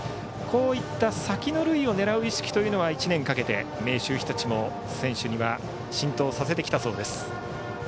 こういった先の塁を狙う意識というのは１年かけて明秀日立の選手には浸透させてきたそうです。